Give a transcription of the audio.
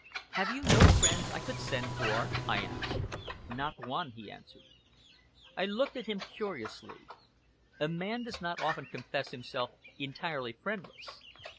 "Have you no friends I could send for?" I asked. "Not one!" he answered. I looked at him curiously. A man does not often confess himself entirely friendless.